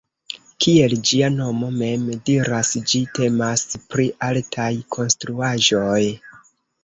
Kiel ĝia nomo mem diras, ĝi temas pri altaj konstruaĵoj.